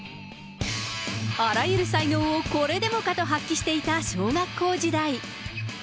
あらゆる才能をこれでもかと発揮していた小学校時代。